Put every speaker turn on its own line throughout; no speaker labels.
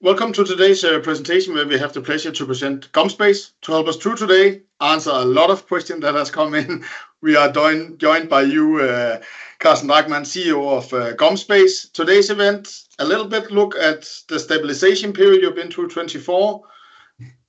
Welcome to today's presentation, where we have the pleasure to present GomSpace. To help us through today, answer a lot of questions that have come in. We are joined by you, Carsten Drachmann, CEO of GomSpace. Today's event, a little bit look at the stabilization period you've been through 2024,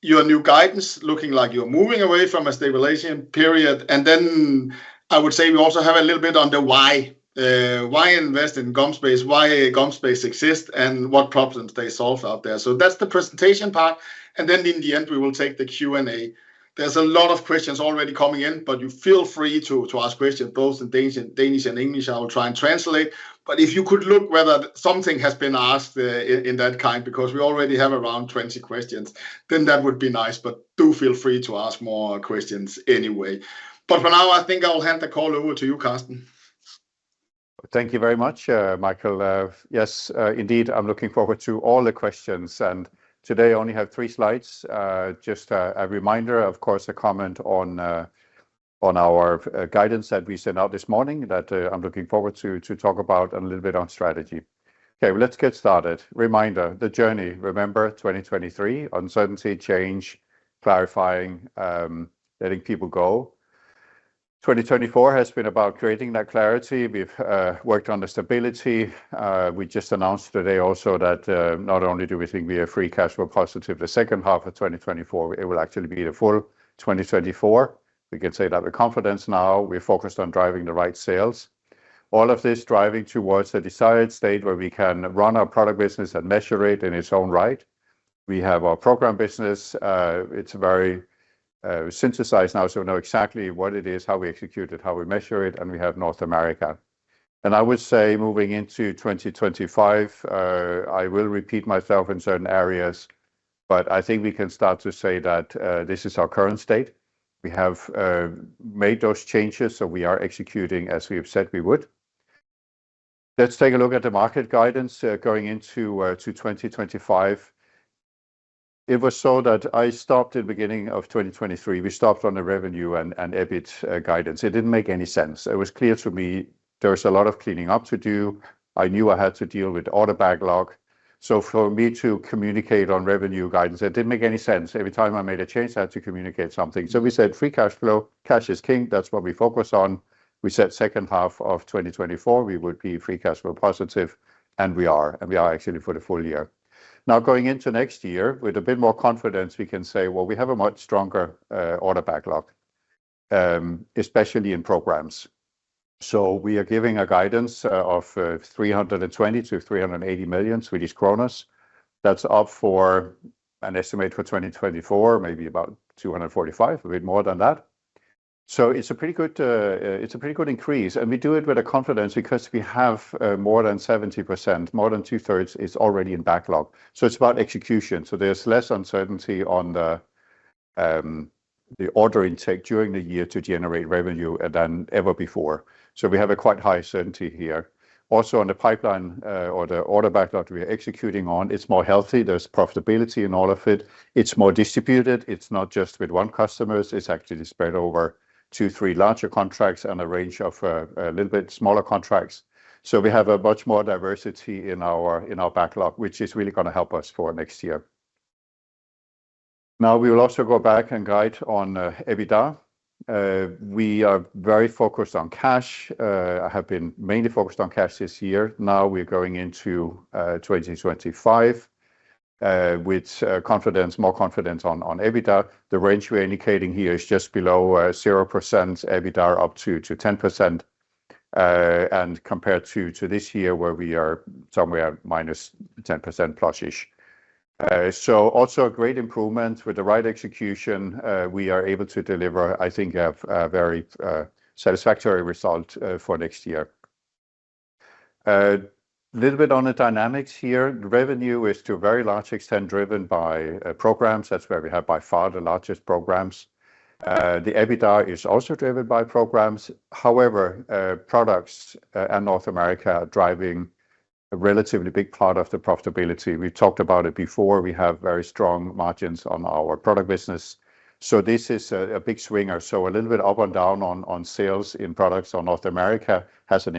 your new guidance looking like you're moving away from a stabilization period. Then I would say we also have a little bit on the why, why invest in GomSpace, why GomSpace exists, and what problems they solve out there. So that's the presentation part. Then in the end, we will take the Q&A. There's a lot of questions already coming in, but you feel free to ask questions both in Danish and English. I will try and translate. But if you could look whether something has been asked in that kind, because we already have around 20 questions, then that would be nice. But do feel free to ask more questions anyway. But for now, I think I will hand the call over to you, Carsten.
Thank you very much, Michael. Yes, indeed, I'm looking forward to all the questions and today I only have three slides. Just a reminder, of course, a comment on our guidance that we sent out this morning that I'm looking forward to talk about a little bit on strategy. Okay, let's get started. Reminder, the journey, remember 2023, uncertainty, change, clarifying, letting people go. 2024 has been about creating that clarity. We've worked on the stability. We just announced today also that not only do we think we are free cash flow positive the second half of 2024, it will actually be the full 2024. We can say that with confidence now. We're focused on driving the right sales. All of this driving towards a desired state where we can run our product business and measure it in its own right. We have our program business. It's very synthesized now, so we know exactly what it is, how we execute it, how we measure it, and we have North America, and I would say moving into 2025, I will repeat myself in certain areas, but I think we can start to say that this is our current state. We have made those changes, so we are executing as we have said we would. Let's take a look at the market guidance going into 2025. It was so that I stopped in the beginning of 2023. We stopped on the revenue and EBIT guidance. It didn't make any sense. It was clear to me there was a lot of cleaning up to do. I knew I had to deal with order backlog, so for me to communicate on revenue guidance, it didn't make any sense. Every time I made a change, I had to communicate something. We said free cash flow, cash is king. That's what we focus on. We said second half of 2024, we would be free cash flow positive. And we are. And we are actually for the full year. Now going into next year with a bit more confidence, we can say, well, we have a much stronger order backlog, especially in programs. So we are giving a guidance of 320 million-380 million. That's up from an estimate for 2024, maybe about 245 million, a bit more than that. So it's a pretty good increase. And we do it with a confidence because we have more than 70%, more than 2/3 is already in backlog. So it's about execution. So there's less uncertainty on the order intake during the year to generate revenue than ever before. So we have a quite high certainty here. Also on the pipeline or the order backlog we are executing on, it's more healthy. There's profitability in all of it. It's more distributed. It's not just with one customer. It's actually spread over two, three larger contracts and a range of a little bit smaller contracts. So we have a much more diversity in our backlog, which is really going to help us for next year. Now we will also go back and guide on EBITDA. We are very focused on cash. I have been mainly focused on cash this year. Now we're going into 2025 with more confidence on EBITDA. The range we're indicating here is just below 0% EBITDA up to 10%. And compared to this year where we are somewhere minus 10%+-ish. So also a great improvement with the right execution. We are able to deliver, I think, a very satisfactory result for next year. A little bit on the dynamics here. The revenue is to a very large extent driven by programs. That's where we have by far the largest programs. The EBITDA is also driven by programs. However, products and North America are driving a relatively big part of the profitability. We've talked about it before. We have very strong margins on our product business. So this is a big swinger. So a little bit up and down on sales in products on North America has an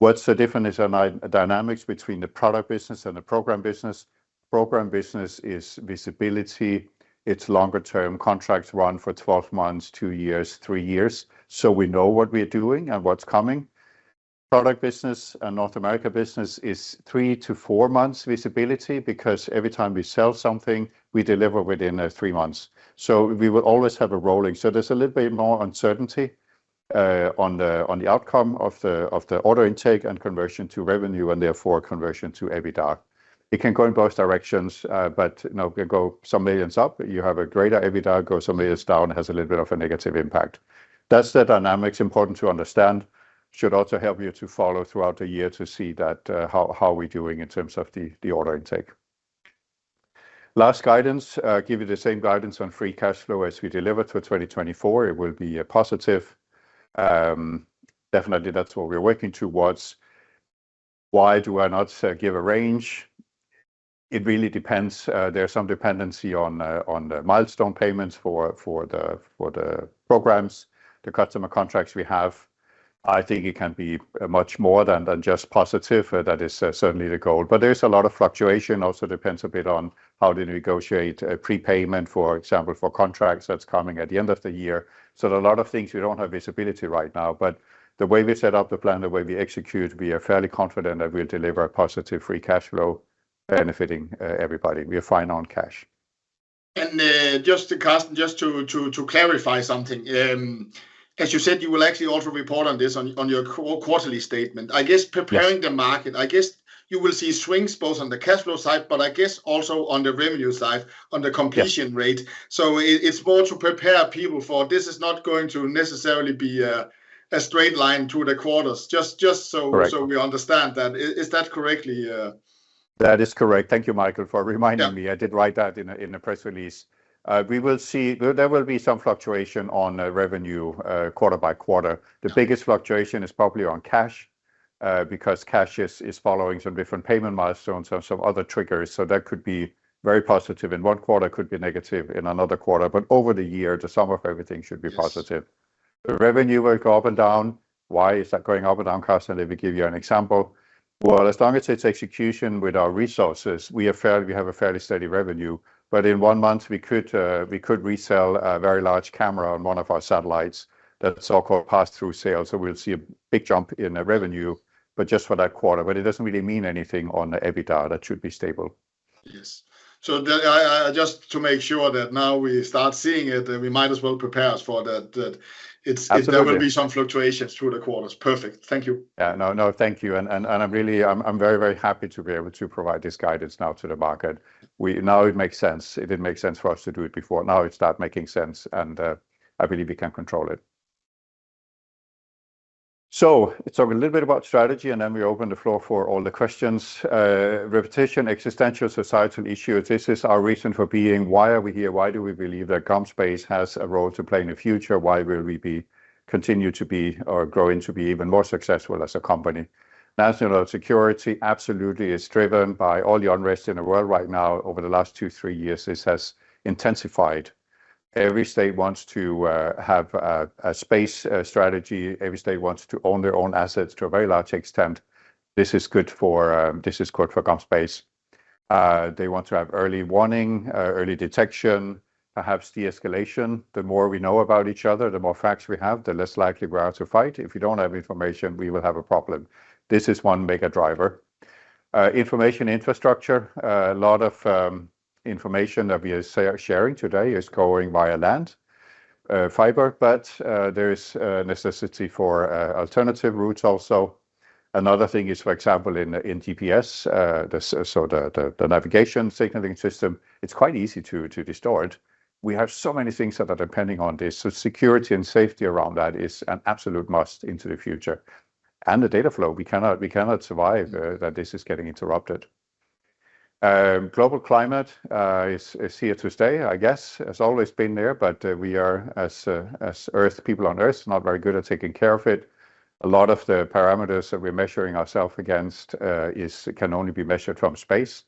impact on EBITDA. What's the difference in dynamics between the product business and the program business? Program business is visibility. It's longer-term contracts run for 12 months, two years, three years. So we know what we're doing and what's coming. Product business and North America business is three to four months visibility because every time we sell something, we deliver within three months. So we will always have a rolling. So there's a little bit more uncertainty on the outcome of the order intake and conversion to revenue and therefore conversion to EBITDA. It can go in both directions, but can go some millions up. You have a greater EBITDA go some millions down, has a little bit of a negative impact. That's the dynamics important to understand. Should also help you to follow throughout the year to see that how are we doing in terms of the order intake. Last guidance, give you the same guidance on free cash flow as we delivered for 2024. It will be positive. Definitely, that's what we're working towards. Why do I not give a range? It really depends. There's some dependency on milestone payments for the programs, the customer contracts we have. I think it can be much more than just positive. That is certainly the goal. But there's a lot of fluctuation. Also depends a bit on how to negotiate prepayment, for example, for contracts that's coming at the end of the year. So a lot of things we don't have visibility right now. But the way we set up the plan, the way we execute, we are fairly confident that we'll deliver a positive free cash flow benefiting everybody. We are fine on cash.
Just to clarify something, as you said, you will actually also report on this on your quarterly statement. I guess preparing the market, I guess you will see swings both on the cash flow side, but I guess also on the revenue side, on the completion rate, so it's more to prepare people for this is not going to necessarily be a straight line to the quarters. Just so we understand that. Is that correct?
That is correct. Thank you, Michael, for reminding me. I did write that in the press release. There will be some fluctuation on revenue quarter by quarter. The biggest fluctuation is probably on cash because cash is following some different payment milestones and some other triggers. So that could be very positive in one quarter, could be negative in another quarter. But over the year, the sum of everything should be positive. The revenue will go up and down. "Why is that going up and down, Carsten?" Let me give you an example. As long as it's execution with our resources, we have a fairly steady revenue. But in one month, we could resell a very large camera on one of our satellites. That's so-called pass-through sales. So we'll see a big jump in revenue, but just for that quarter. But it doesn't really mean anything on the EBITDA. That should be stable.
Yes. So just to make sure that now we start seeing it, we might as well prepare us for that. There will be some fluctuations through the quarters. Perfect. Thank you.
Yeah, no, no, thank you, and I'm very, very happy to be able to provide this guidance now to the market. Now it makes sense. It didn't make sense for us to do it before. Now it starts making sense, and I believe we can control it. So talk a little bit about strategy, and then we open the floor for all the questions. Reputational, existential, societal issues. This is our reason for being. Why are we here? Why do we believe that GomSpace has a role to play in the future? Why will we continue to be or grow into being even more successful as a company? National security absolutely is driven by all the unrest in the world right now. Over the last two, three years, this has intensified. Every state wants to have a space strategy. Every state wants to own their own assets to a very large extent. This is good for GomSpace. They want to have early warning, early detection, perhaps de-escalation. The more we know about each other, the more facts we have, the less likely we are to fight. If we don't have information, we will have a problem. This is one mega driver. Information infrastructure. A lot of information that we are sharing today is going via land, fiber, but there is a necessity for alternative routes also. Another thing is, for example, in GPS, so the navigation signaling system, it's quite easy to distort. We have so many things that are depending on this, so security and safety around that is an absolute must into the future, and the data flow, we cannot survive that this is getting interrupted. Global climate is here to stay, I guess, has always been there, but we are, as Earth, people on Earth, not very good at taking care of it. A lot of the parameters that we're measuring ourselves against can only be measured from space.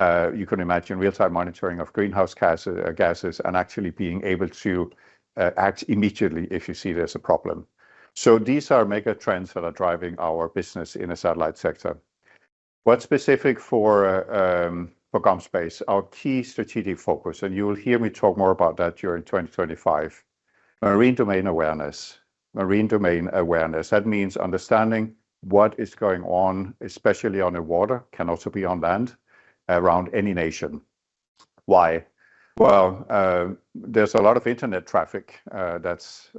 You can imagine real-time monitoring of greenhouse gases and actually being able to act immediately if you see there's a problem. So these are mega trends that are driving our business in the satellite sector. What's specific for GomSpace? Our key strategic focus, and you will hear me talk more about that maritime domain awareness. that means understanding what is going on, especially on the water, can also be on land around any nation. Why? Well, there's a lot of internet traffic that's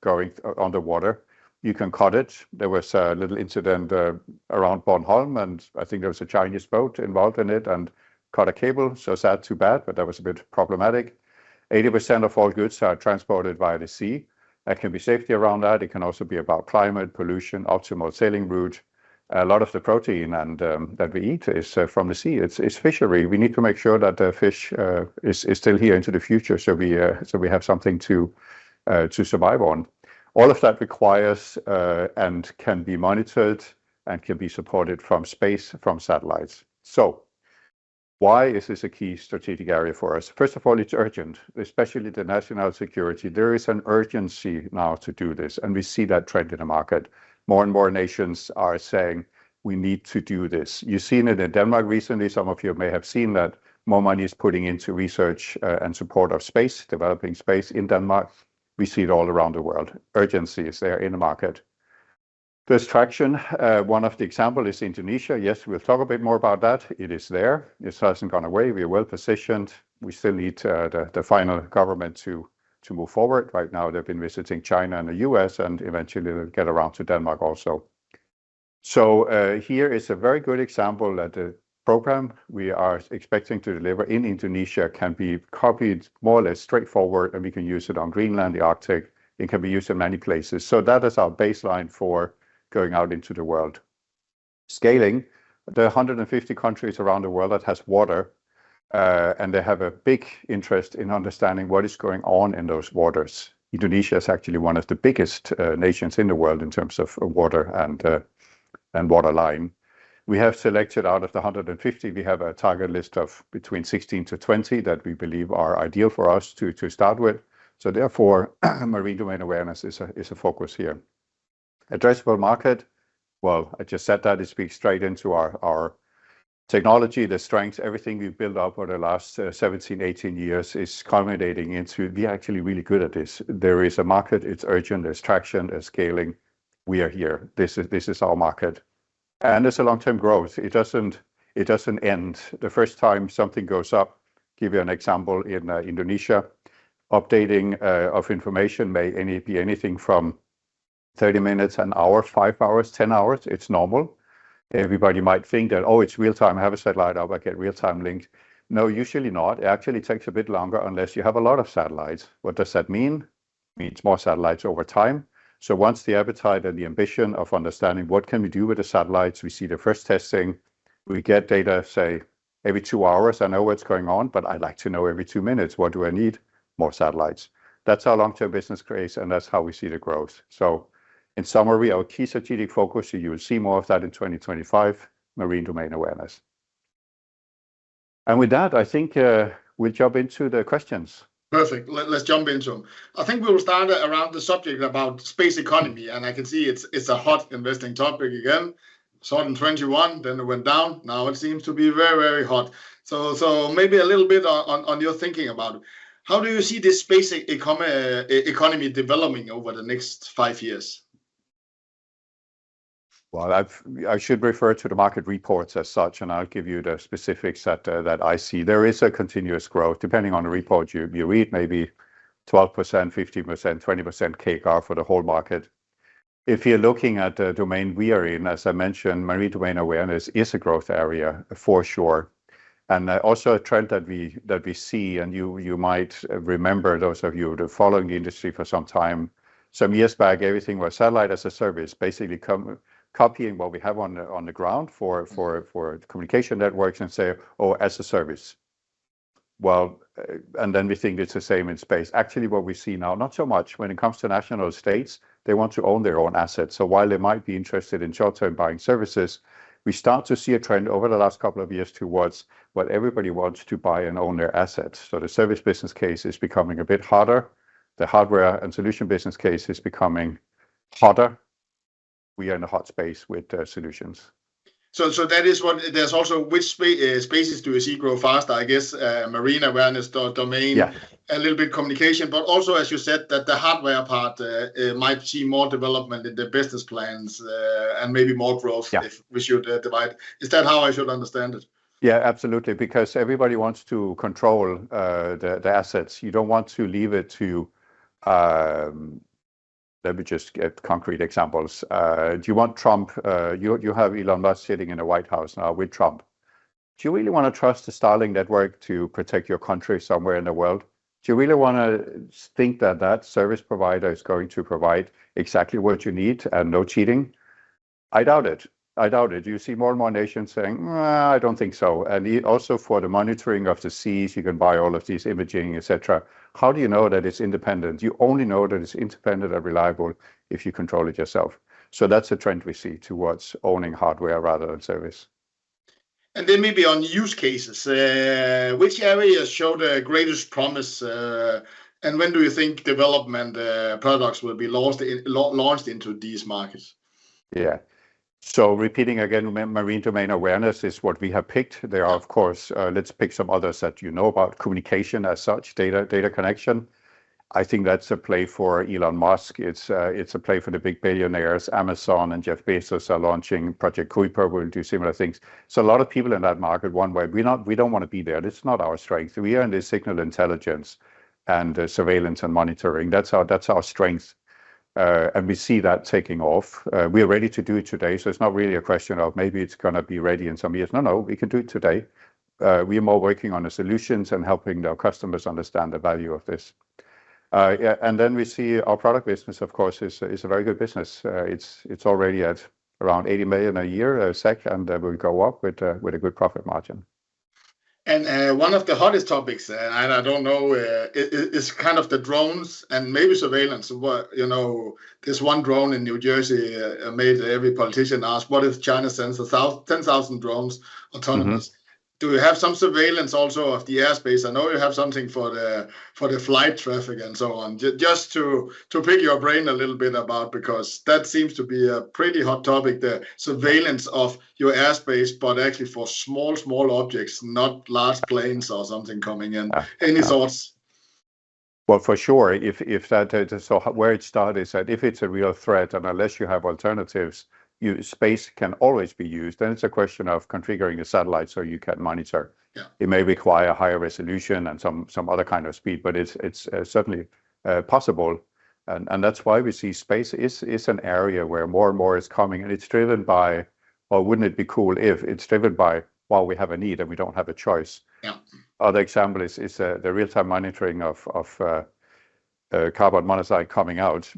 going underwater. You can cut it. There was a little incident around Bornholm, and I think there was a Chinese boat involved in it and cut a cable. So sad, too bad, but that was a bit problematic. 80% of all goods are transported via the sea. There can be safety around that. It can also be about climate, pollution, optimal sailing route. A lot of the protein that we eat is from the sea. It's fishery. We need to make sure that the fish is still here into the future so we have something to survive on. All of that requires and can be monitored and can be supported from space, from satellites. So why is this a key strategic area for us? First of all, it's urgent, especially the national security. There is an urgency now to do this, and we see that trend in the market. More and more nations are saying, "We need to do this." You've seen it in Denmark recently. Some of you may have seen that more money is putting into research and support of space, developing space in Denmark. We see it all around the world. Urgency is there in the market. There's traction. One of the examples is Indonesia. Yes, we'll talk a bit more about that. It is there. It hasn't gone away. We are well positioned. We still need the final government to move forward. Right now, they've been visiting China and the U.S., and eventually, they'll get around to Denmark also. So here is a very good example that the program we are expecting to deliver in Indonesia can be copied more or less straightforward, and we can use it on Greenland, the Arctic. It can be used in many places. So that is our baseline for going out into the world. Scaling. There are 150 countries around the world that have water, and they have a big interest in understanding what is going on in those waters. Indonesia is actually one of the biggest nations in the world in terms of water and water line. We have selected out of the 150. We have a target list of between 16-20 that we believe are ideal for us to start with. maritime domain awareness is a focus here. Addressable market. Well, I just said that. It speaks straight into our technology, the strengths, everything we've built up over the last 17, 18 years is culminating into we are actually really good at this. There is a market. It's urgent. There's traction. There's scaling. We are here. This is our market, and there's a long-term growth. It doesn't end. The first time something goes up, give you an example in Indonesia, updating of information may be anything from 30 minutes, an hour, five hours, 10 hours. It's normal. Everybody might think that, "Oh, it's real-time. I have a satellite up. I get real-time links." No, usually not. It actually takes a bit longer unless you have a lot of satellites. What does that mean? It means more satellites over time. So once the appetite and the ambition of understanding what can we do with the satellites, we see the first testing. We get data, say, every two hours. I know what's going on, but I'd like to know every two minutes. What do I need? More satellites. That's our long-term business case, and that's how we see the growth. So in summary, our key strategic focus, you will see more of that maritime domain awareness. and with that, I think we'll jump into the questions.
Perfect. Let's jump into them. I think we'll start around the subject about space economy, and I can see it's a hot investing topic again. So in 2021, then it went down. Now it seems to be very, very hot. So maybe a little bit on your thinking about it. How do you see this space economy developing over the next five years?
I should refer to the market reports as such, and I'll give you the specifics that I see. There is a continuous growth depending on the report you read, maybe 12%, 15%, 20% CAGR for the whole market. If you're looking at the domain we are in, as maritime domain awareness is a growth area for sure. And also a trend that we see, and you might remember those of you who have been following the industry for some time. Some years back, everything was satellite as a service, basically copying what we have on the ground for communication networks and say, "Oh, as a service." And then we think it's the same in space. Actually, what we see now, not so much. When it comes to national states, they want to own their own assets. So while they might be interested in short-term buying services, we start to see a trend over the last couple of years towards what everybody wants to buy and own their assets. So the service business case is becoming a bit harder. The hardware and solution business case is becoming harder. We are in a hot space with solutions.
So there's also which spaces do you see grow faster, maritime domain awareness, a little bit communication, but also, as you said, that the hardware part might see more development in the business plans and maybe more growth if we should divide. Is that how I should understand it?
Yeah, absolutely, because everybody wants to control the assets. You don't want to leave it to, let me just get concrete examples. Do you want Trump? You have Elon Musk sitting in the White House now with Trump. Do you really want to trust the Starlink network to protect your country somewhere in the world? Do you really want to think that that service provider is going to provide exactly what you need and no cheating? I doubt it. I doubt it. You see more and more nations saying, "I don't think so." And also for the monitoring of the seas, you can buy all of these imaging, et cetera. How do you know that it's independent? You only know that it's independent and reliable if you control it yourself. So that's the trend we see towards owning hardware rather than service.
Then maybe on use cases, which areas show the greatest promise? And when do you think development platform will be launched into these markets?
Yeah. So maritime domain awareness is what we have picked. There are, of course, let's pick some others that you know about: communication as such, data connection. I think that's a play for Elon Musk. It's a play for the big billionaires. Amazon and Jeff Bezos are launching Project Kuiper. We'll do similar things. So a lot of people in that market one way; we don't want to be there. That's not our strength. We are in the signal intelligence and surveillance and monitoring. That's our strength. And we see that taking off. We are ready to do it today. So it's not really a question of maybe it's going to be ready in some years. No, no, we can do it today. We are more working on the solutions and helping our customers understand the value of this. And then we see our product business, of course, is a very good business. It's already at around 80 million a year, and we'll go up with a good profit margin.
One of the hottest topics, and I don't know, is kind of the drones and maybe surveillance. There's one drone in New Jersey made every politician ask, "What if China sends 10,000 drones, autonomous?" Do you have some surveillance also of the airspace? I know you have something for the flight traffic and so on. Just to pick your brain a little bit about, because that seems to be a pretty hot topic, the surveillance of your airspace, but actually for small, small objects, not large planes or something coming in any sorts.
For sure. Where it started is that if it's a real threat, and unless you have alternatives, space can always be used, then it's a question of configuring the satellite so you can monitor. It may require higher resolution and some other kind of speed, but it's certainly possible. That's why we see space is an area where more and more is coming, and it's driven by, "Well, wouldn't it be cool if it's driven by while we have a need and we don't have a choice?" Other example is the real-time monitoring of carbon monoxide coming out,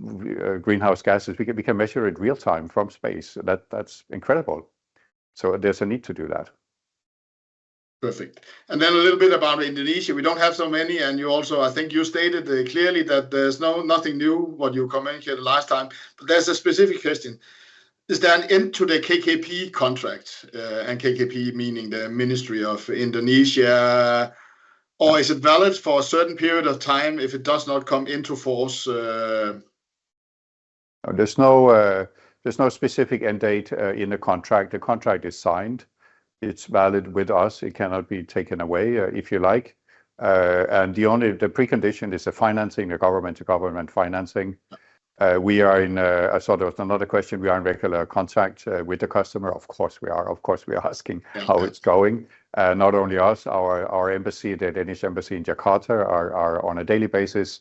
greenhouse gases. We can measure it real-time from space. That's incredible. There's a need to do that.
Perfect. And then a little bit about Indonesia. We don't have so many, and you also, I think you stated clearly that there's nothing new, what you commented last time, but there's a specific question. Is there an end to the KKP contract, and KKP meaning the Indonesian Ministry, or is it valid for a certain period of time if it does not come into force? There's no specific end date in the contract. The contract is signed. It's valid with us. It cannot be taken away, if you like, and the only precondition is the financing, the government-to-government financing. We are in, as sort of another question, we are in regular contact with the customer. Of course, we are. Of course, we are asking how it's going. Not only us, our embassy, the Danish embassy in Jakarta, are on a daily basis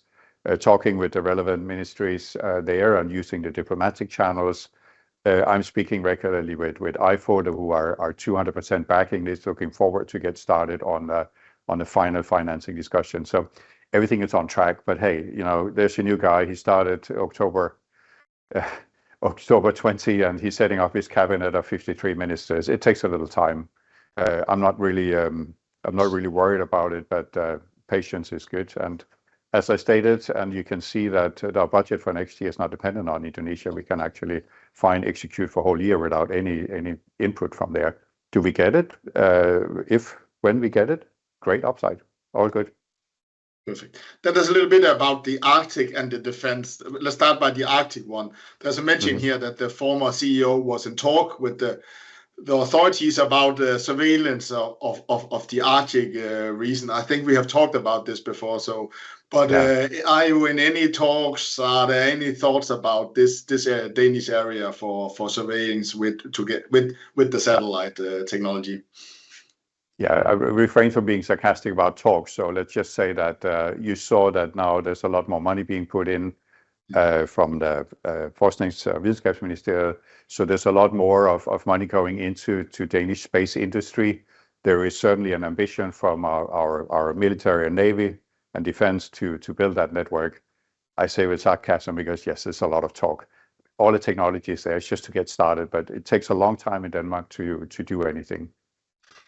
talking with the relevant ministries there and using the diplomatic channels. I'm speaking regularly with EIFO, who are 200% backing this, looking forward to get started on the final financing discussion. Everything is on track, but hey, there's a new guy. He started October 20, and he's setting up his cabinet of 53 ministers. It takes a little time. I'm not really worried about it, but patience is good. As I stated, and you can see that our budget for next year is not dependent on Indonesia. We can actually finance, execute for a whole year without any input from there. Do we get it? If, when we get it, great upside. All good. Perfect. That is a little bit about the Arctic and the defense. Let's start by the Arctic one. There's a mention here that the former CEO was in talk with the authorities about the surveillance of the Arctic region. I think we have talked about this before. But are you in any talks? Are there any thoughts about this Danish area for surveillance with the satellite technology?
Yeah, I refrain from being sarcastic about talks. So let's just say that you saw that now there's a lot more money being put in from the Nordic Nations and Research Councils Ministerial. So there's a lot more money going into Danish space industry. There is certainly an ambition from our military, navy, and defense to build that network. I say with sarcasm because, yes, there's a lot of talk. All the technology is there just to get started, but it takes a long time in Denmark to do anything.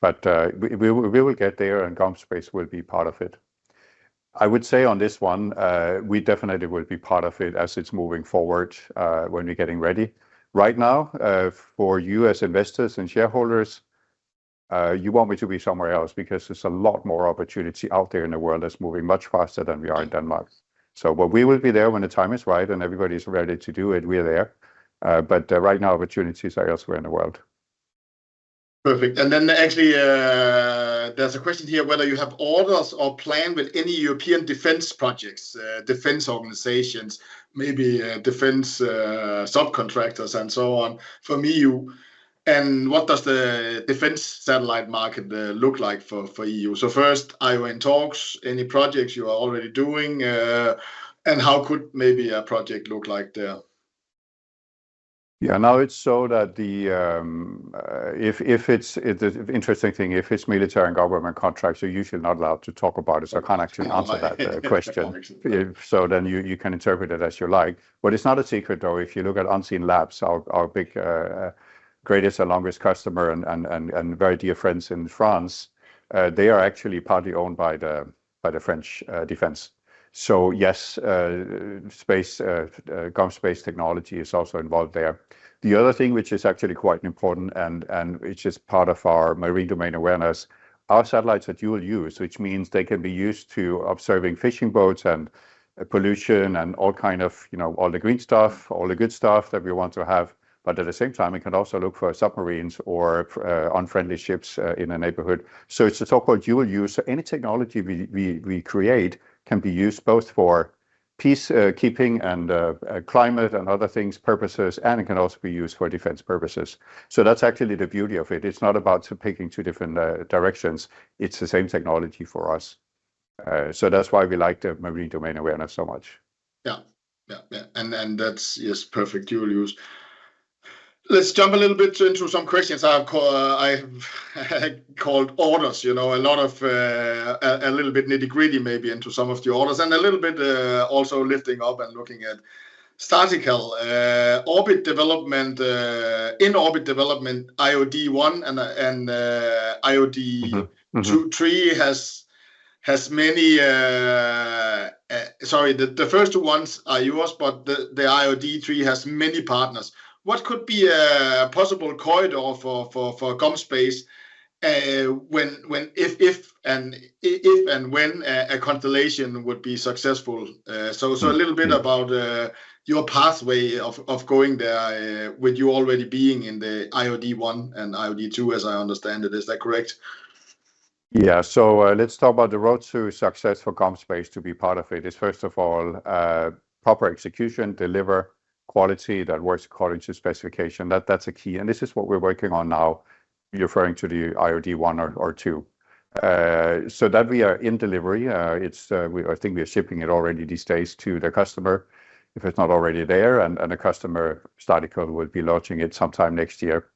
But we will get there, and GomSpace will be part of it. I would say on this one, we definitely will be part of it as it's moving forward when we're getting ready. Right now, for you as investors and shareholders, you want me to be somewhere else because there's a lot more opportunity out there in the world that's moving much faster than we are in Denmark, so we will be there when the time is right, and everybody's ready to do it. We are there, but right now, opportunities are elsewhere in the world.
Perfect. And then actually, there's a question here whether you have orders or plans with any European defense projects, defense organizations, maybe defense subcontractors, and so on. For EU. And what does the defense satellite market look like for EU? So first, are you in talks? Any projects you are already doing? And how could maybe a project look like there?
Yeah, now it's so that if it's an interesting thing, if it's military and government contracts, you're usually not allowed to talk about it. So I can't actually answer that question. So then you can interpret it as you like. But it's not a secret, though. If you look at Unseenlabs, our big greatest and longest customer and very dear friends in France, they are actually partly owned by the French defense. So yes, GomSpace technology is also involved there. The other thing, which is actually quite important, and it's just part maritime domain awareness, are satellites that you will use, which means they can be used to observing fishing boats and pollution and all kinds of all the green stuff, all the good stuff that we want to have. But at the same time, we can also look for submarines or unfriendly ships in a neighborhood. So it's the so-called dual use. So any technology we create can be used both for peacekeeping and climate and other things, purposes, and it can also be used for defense purposes. So that's actually the beauty of it. It's not about picking two different directions. It's the same technology for us. So that's why we maritime domain awareness so much.
Yeah. Yeah. Yeah. And that's just perfect dual use. Let's jump a little bit into some questions I have on orders. A lot of a little bit nitty-gritty, maybe into some of the orders and a little bit also lifting up and looking at satellite orbit development, in-orbit development, IOD-1 and IOD-2/3 has many sorry, the first two ones are yours, but the IOD-3 has many partners. What could be a possible corridor for GomSpace and if and when a constellation would be successful? So a little bit about your pathway of going there with you already being in the IOD-1 and IOD-2, as I understand it. Is that correct?
Yeah. So let's talk about the road to success for GomSpace to be part of it. It's first of all proper execution, deliver quality that works according to specification. That's a key. And this is what we're working on now, referring to the IOD-1 or IOD-2. So that we are in delivery. I think we are shipping it already these days to the customer. If it's not already there, and the customer Startical will be launching it sometime next year.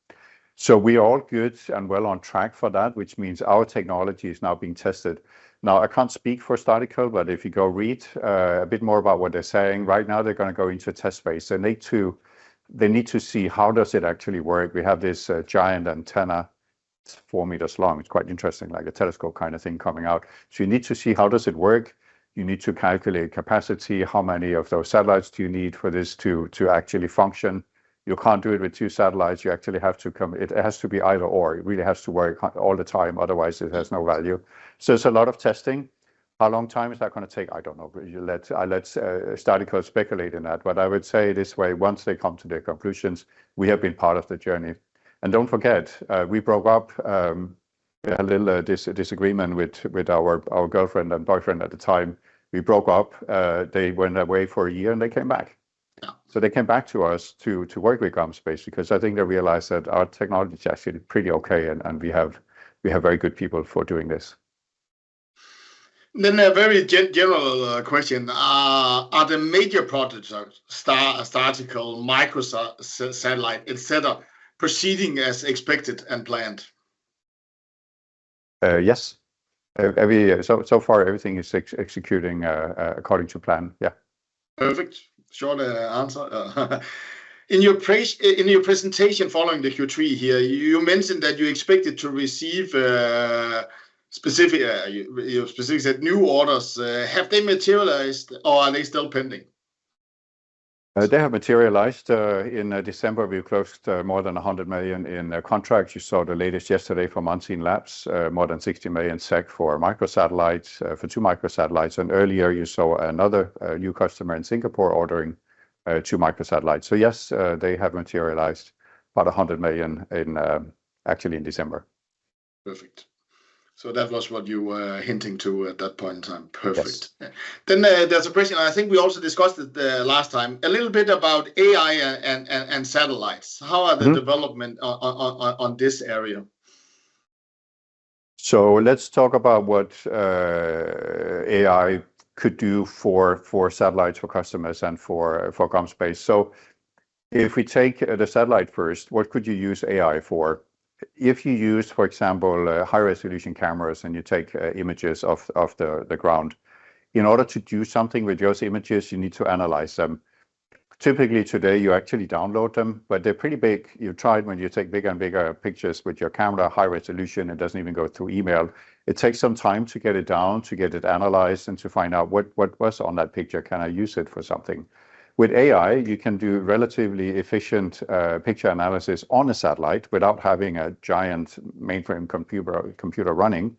So we are all good and well on track for that, which means our technology is now being tested. Now, I can't speak for Startical, but if you go read a bit more about what they're saying, right now they're going to go into test phase. They need to see how does it actually work. We have this giant antenna. It's four meters long. It's quite interesting, like a telescope kind of thing coming out. So you need to see how does it work. You need to calculate capacity. How many of those satellites do you need for this to actually function? You can't do it with two satellites. You actually have to commit. It has to be either/or. It really has to work all the time. Otherwise, it has no value. So it's a lot of testing. How long time is that going to take? I don't know. I let Startical speculate in that. But I would say this way, once they come to their conclusions, we have been part of the journey. And don't forget, we broke up. We had a little disagreement with our girlfriend and boyfriend at the time. We broke up. They went away for a year, and they came back. So they came back to us to work with GomSpace because I think they realized that our technology is actually pretty okay, and we have very good people for doing this.
Then a very general question. Are the major projects, Startical, microsatellite, et cetera, proceeding as expected and planned?
Yes. So far, everything is executing according to plan. Yeah.
Perfect. Short answer. In your presentation following the Q3 here, you mentioned that you expected to receive specific new orders. Have they materialized, or are they still pending?
They have materialized. In December, we closed more than 100 million in contracts. You saw the latest yesterday from Unseenlabs, more than 60 million SEK for microsatellites, for two microsatellites. And earlier, you saw another new customer in Singapore ordering two microsatellites. So yes, they have materialized about 100 million actually in December.
Perfect. So that was what you were hinting to at that point in time. Perfect. Then there's a question. I think we also discussed it last time, a little bit about AI and satellites. How are the developments on this area?
So let's talk about what AI could do for satellites, for customers, and for GomSpace. So if we take the satellite first, what could you use AI for? If you use, for example, high-resolution cameras and you take images of the ground, in order to do something with those images, you need to analyze them. Typically, today, you actually download them, but they're pretty big. You've tried when you take bigger and bigger pictures with your camera, high resolution, it doesn't even go through email. It takes some time to get it down, to get it analyzed, and to find out what was on that picture. Can I use it for something? With AI, you can do relatively efficient picture analysis on a satellite without having a giant mainframe computer running.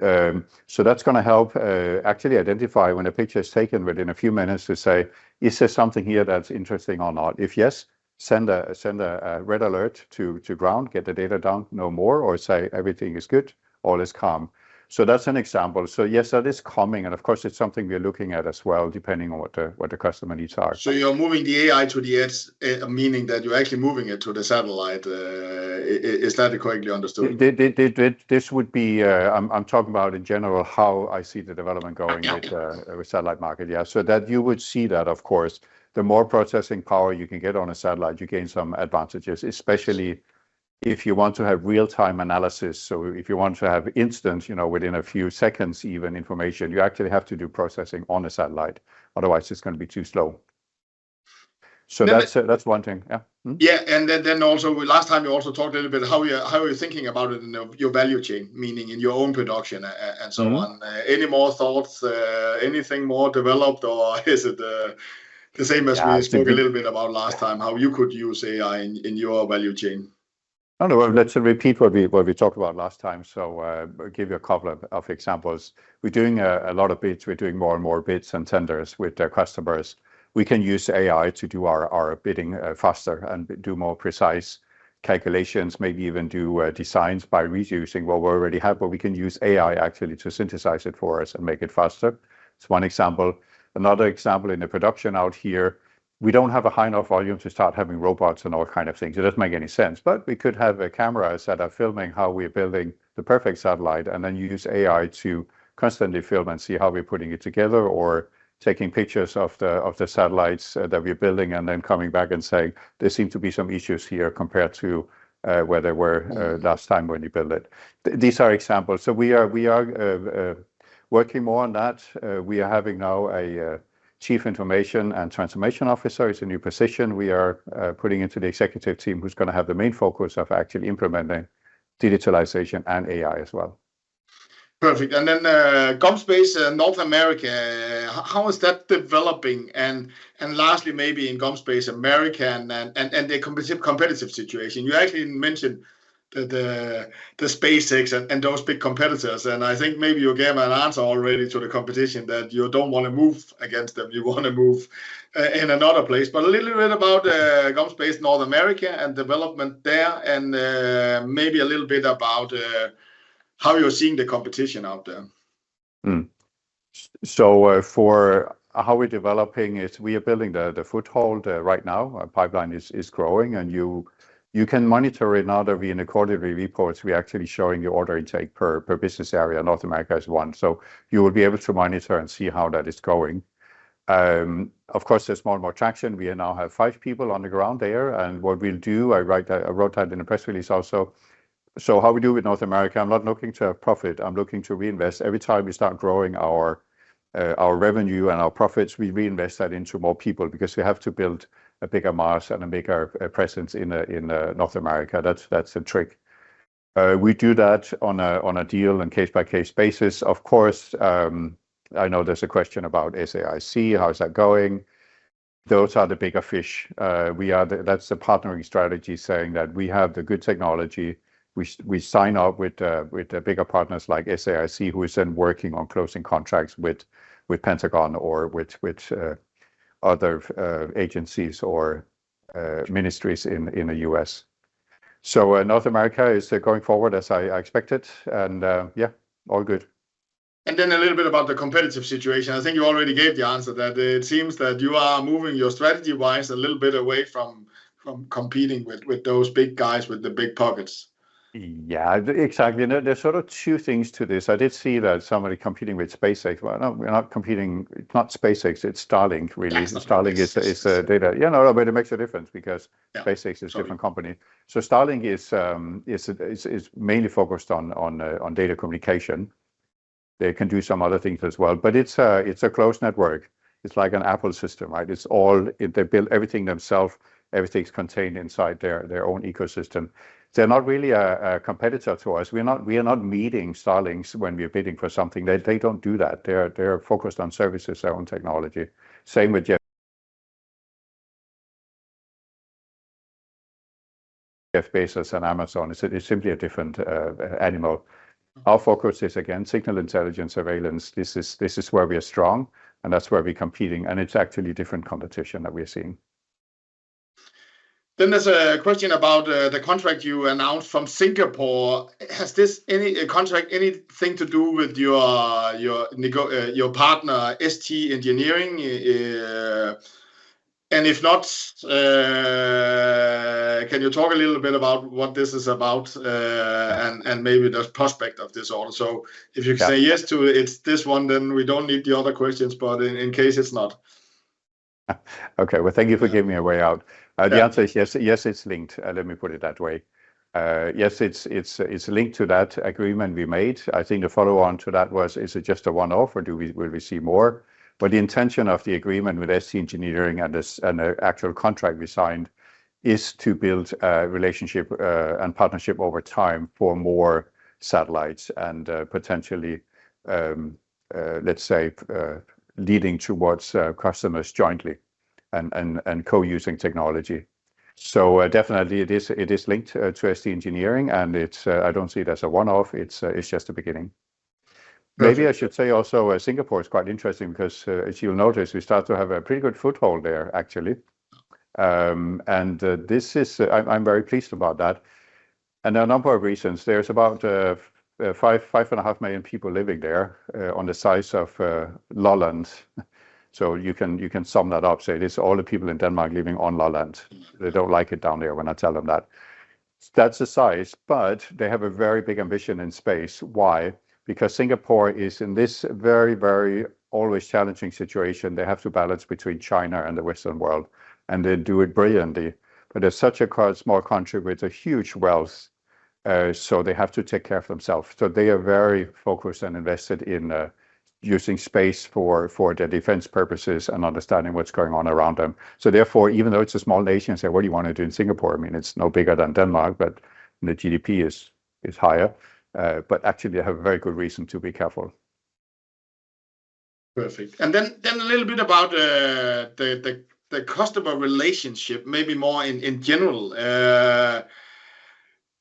So that's going to help actually identify when a picture is taken within a few minutes to say, is there something here that's interesting or not? If yes, send a red alert to ground, get the data down, no more, or say everything is good, all is calm. So that's an example. So yes, that is coming. And of course, it's something we're looking at as well, depending on what the customer needs are.
So you're moving the AI to the edge, meaning that you're actually moving it to the satellite. Is that correctly understood?
I'm talking about in general how I see the development going with the satellite market. Yeah. So that you would see that, of course, the more processing power you can get on a satellite, you gain some advantages, especially if you want to have real-time analysis. So if you want to have instant, within a few seconds even, information, you actually have to do processing on a satellite. Otherwise, it's going to be too slow. So that's one thing. Yeah.
Yeah. And then also, last time, you also talked a little bit how you're thinking about it in your value chain, meaning in your own production and so on. Any more thoughts? Anything more developed, or is it the same as we spoke a little bit about last time, how you could use AI in your value chain? Let's repeat what we talked about last time. So I'll give you a couple of examples. We're doing a lot of bids. We're doing more and more bids and tenders with their customers. We can use AI to do our bidding faster and do more precise calculations, maybe even do designs by reusing what we already have, but we can use AI actually to synthesize it for us and make it faster. It's one example. Another example in the production out here, we don't have a high enough volume to start having robots and all kinds of things. It doesn't make any sense. But we could have cameras that are filming how we're building the perfect satellite and then use AI to constantly film and see how we're putting it together or taking pictures of the satellites that we're building and then coming back and saying, there seem to be some issues here compared to where they were last time when you built it. These are examples. So we are working more on that. We are having now a Chief Information and Transformation Officer. It's a new position. We are putting into the executive team who's going to have the main focus of actually implementing digitalization and AI as well. Perfect. And then GomSpace North America, how is that developing? And lastly, maybe in GomSpace America and the competitive situation. You actually mentioned the SpaceX and those big competitors. And I think maybe you gave an answer already to the competition that you don't want to move against them. You want to move in another place. But a little bit about GomSpace North America and development there and maybe a little bit about how you're seeing the competition out there.
So, for how we're developing, is we are building the foothold right now. Our pipeline is growing, and you can monitor it now that we're in accord with reports. We're actually showing the order intake per business area in North America as one. So you will be able to monitor and see how that is going. Of course, there's more and more traction. We now have five people on the ground there. And what we'll do, I wrote that in the press release also. So how we do with North America, I'm not looking to profit. I'm looking to reinvest. Every time we start growing our revenue and our profits, we reinvest that into more people because we have to build a bigger mass and a bigger presence in North America. That's the trick. We do that on a deal and case-by-case basis. Of course, I know there's a question about SAIC. How's that going? Those are the bigger fish. That's the partnering strategy saying that we have the good technology. We sign up with bigger partners like SAIC, who is then working on closing contracts with Pentagon or with other agencies or ministries in the US. So North America is going forward as I expected. And yeah, all good.
Then a little bit about the competitive situation. I think you already gave the answer that it seems that you are moving your strategy-wise a little bit away from competing with those big guys with the big pockets.
Yeah, exactly. There's sort of two things to this. I did see that somebody competing with SpaceX. Well, no, we're not competing. It's not SpaceX. It's Starlink, really. Starlink is the data. Yeah, no, no, but it makes a difference because SpaceX is a different company. So Starlink is mainly focused on data communication. They can do some other things as well. But it's a closed network. It's like an Apple system, right? They build everything themselves. Everything's contained inside their own ecosystem. They're not really a competitor to us. We are not meeting Starlink when we're bidding for something. They don't do that. They're focused on services, their own technology. Same with Jeff Bezos and Amazon. It's simply a different animal. Our focus is, again, signal intelligence surveillance. This is where we are strong, and that's where we're competing, and it's actually different competition that we're seeing.
Then there's a question about the contract you announced from Singapore. Has this contract anything to do with your partner, ST Engineering? And if not, can you talk a little bit about what this is about and maybe the prospect of this order? So if you can say yes to this one, then we don't need the other questions, but in case it's not. Okay. Well, thank you for giving me a way out. The answer is yes. Yes, it's linked. Let me put it that way. Yes, it's linked to that agreement we made. I think the follow-on to that was, is it just a one-off, or will we see more? But the intention of the agreement with ST Engineering and the actual contract we signed is to build a relationship and partnership over time for more satellites and potentially, let's say, leading towards customers jointly and co-using technology. So definitely, it is linked to ST Engineering, and I don't see it as a one-off. It's just the beginning. Maybe I should say also Singapore is quite interesting because, as you'll notice, we start to have a pretty good foothold there, actually. And there are a number of reasons. There's about five and a half million people living there on the size of Lolland. So you can sum that up. So it is all the people in Denmark living on Lolland. They don't like it down there when I tell them that. That's the size, but they have a very big ambition in space. Why? Because Singapore is in this very, very always challenging situation. They have to balance between China and the Western world, and they do it brilliantly. But they're such a small country with a huge wealth, so they have to take care of themselves. So they are very focused and invested in using space for their defense purposes and understanding what's going on around them. So therefore, even though it's a small nation, say, what do you want to do in Singapore? I mean, it's no bigger than Denmark, but the GDP is higher. But actually, they have a very good reason to be careful. Perfect. And then a little bit about the customer relationship, maybe more in general.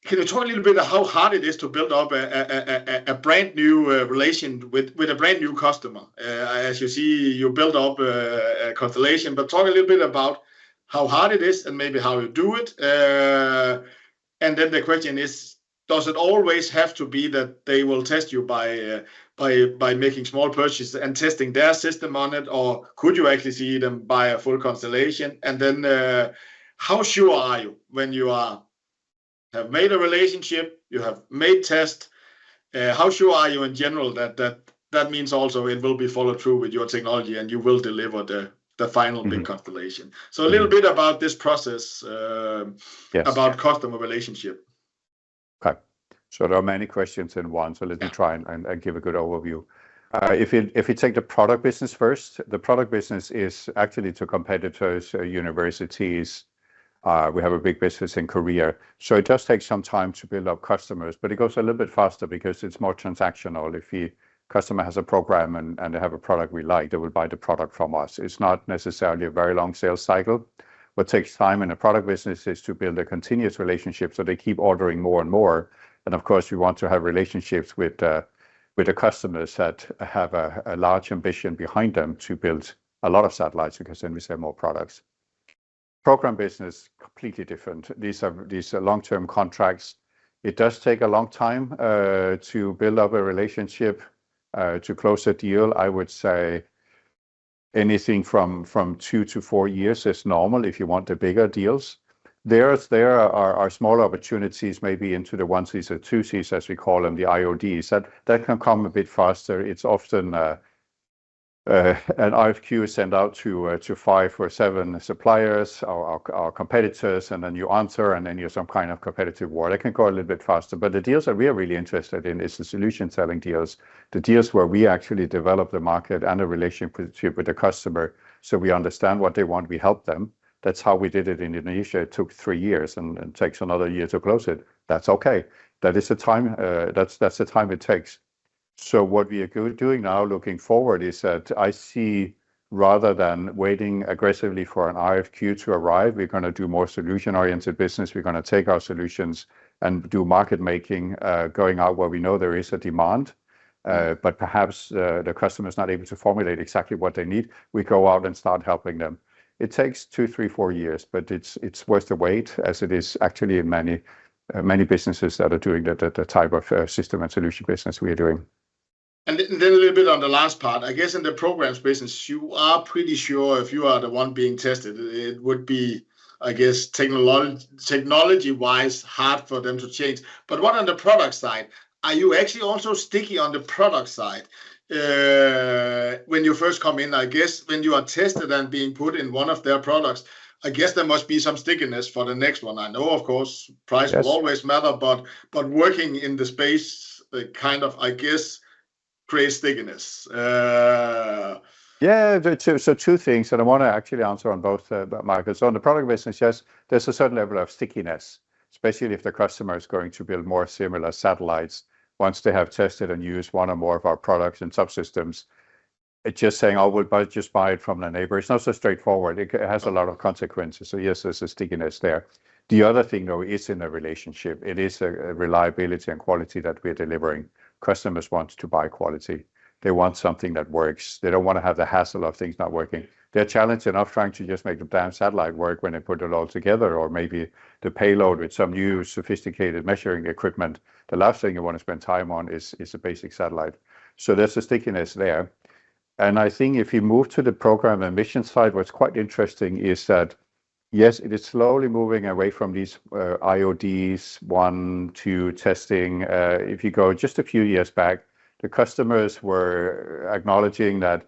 Can you talk a little bit about how hard it is to build up a brand new relation with a brand new customer? As you see, you build up a constellation, but talk a little bit about how hard it is and maybe how you do it. And then the question is, does it always have to be that they will test you by making small purchases and testing their system on it, or could you actually see them buy a full constellation? And then how sure are you when you have made a relationship, you have made tests? How sure are you in general that that means also it will be followed through with your technology and you will deliver the final big constellation? So a little bit about this process, about customer relationship.
Okay, so there are many questions in one, so let me try and give a good overview. If you take the product business first, the product business is actually to competitors, universities. We have a big business in Korea. So it does take some time to build up customers, but it goes a little bit faster because it's more transactional. If a customer has a program and they have a product we like, they will buy the product from us. It's not necessarily a very long sales cycle, but it takes time in a product business to build a continuous relationship so they keep ordering more and more. And of course, we want to have relationships with the customers that have a large ambition behind them to build a lot of satellites because then we sell more products. Program business, completely different. These are long-term contracts. It does take a long time to build up a relationship, to close a deal. I would say anything from two to four years is normal if you want the bigger deals. There are smaller opportunities, maybe into the onesies or twosies, as we call them, the IODs. That can come a bit faster. It's often an RFQ sent out to five or seven suppliers, our competitors, and then you answer, and then you have some kind of competitive war. That can go a little bit faster. But the deals that we are really interested in are the solution-selling deals, the deals where we actually develop the market and the relationship with the customer. So we understand what they want. We help them. That's how we did it in Indonesia. It took three years and takes another year to close it. That's okay. That is the time it takes. So what we are doing now, looking forward, is that I see rather than waiting aggressively for an RFQ to arrive, we're going to do more solution-oriented business. We're going to take our solutions and do market making, going out where we know there is a demand, but perhaps the customer is not able to formulate exactly what they need. We go out and start helping them. It takes two, three, four years, but it's worth the wait, as it is actually in many businesses that are doing the type of system and solution business we are doing.
And then a little bit on the last part. I guess in the programs business, you are pretty sure if you are the one being tested, it would be, I guess, technology-wise hard for them to change. But what on the product side? Are you actually also sticky on the product side? When you first come in, I guess when you are tested and being put in one of their products, I guess there must be some stickiness for the next one. I know, of course, price will always matter, but working in the space kind of, I guess, creates stickiness.
Yeah. So two things that I want to actually answer on both markets. On the product business, yes, there's a certain level of stickiness, especially if the customer is going to build more similar satellites once they have tested and used one or more of our products and subsystems. Just saying, "Oh, we'll just buy it from the neighbor," it's not so straightforward. It has a lot of consequences. So yes, there's a stickiness there. The other thing, though, is in the relationship. It is the reliability and quality that we're delivering. Customers want to buy quality. They want something that works. They don't want to have the hassle of things not working. They're challenged enough trying to just make the damn satellite work when they put it all together or maybe the payload with some new sophisticated measuring equipment. The last thing you want to spend time on is a basic satellite, so there's a stickiness there, and I think if you move to the program and mission side, what's quite interesting is that, yes, it is slowly moving away from these IODs, one, two, testing. If you go just a few years back, the customers were acknowledging that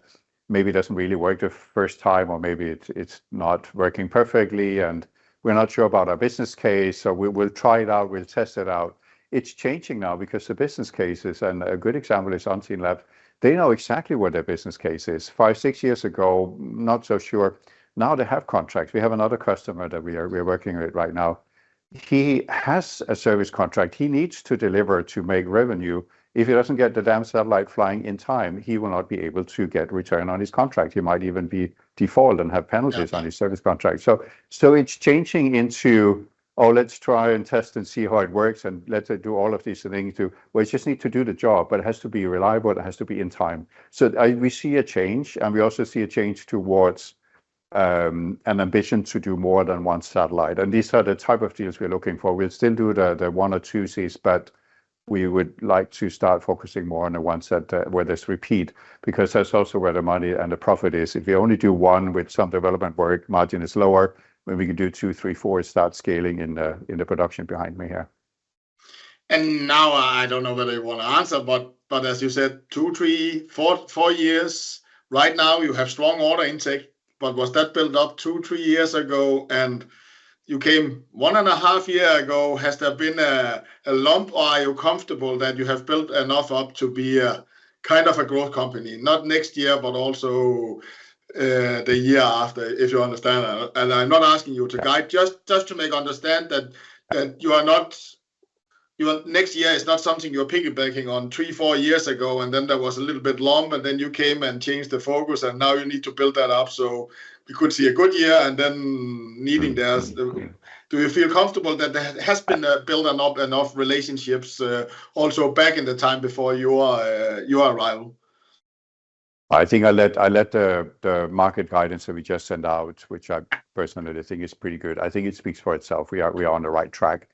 maybe it doesn't really work the first time or maybe it's not working perfectly, and we're not sure about our business case, so we'll try it out. We'll test it out. It's changing now because the business cases, and a good example is Unseenlabs. They know exactly what their business case is. Five, six years ago, not so sure. Now they have contracts. We have another customer that we are working with right now. He has a service contract. He needs to deliver to make revenue. If he doesn't get the damn satellite flying in time, he will not be able to get return on his contract. He might even be default and have penalties on his service contract. So it's changing into, "Oh, let's try and test and see how it works and let's do all of these things." We just need to do the job, but it has to be reliable. It has to be in time. So we see a change, and we also see a change towards an ambition to do more than one satellite. And these are the type of deals we're looking for. We'll still do the one or twosies, but we would like to start focusing more on the ones where there's repeat because that's also where the money and the profit is. If we only do one with some development work, margin is lower. When we can do two, three, four, it starts scaling in the production behind me here.
Now, I don't know whether you want to answer, but as you said, two, three, four years. Right now, you have strong order intake, but was that built up two, three years ago? And you came one and a half years ago. Has there been a lump, or are you comfortable that you have built enough up to be kind of a growth company? Not next year, but also the year after, if you understand. And I'm not asking you to guide, just to make you understand that your next year is not something you're piggybacking on three, four years ago, and then there was a little bit lump, and then you came and changed the focus, and now you need to build that up so you could see a good year and then needing there. Do you feel comfortable that there has been built enough relationships also back in the time before your arrival?
I think I'll let the market guidance that we just sent out, which I personally think is pretty good. I think it speaks for itself. We are on the right track.